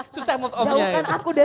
susah move on nya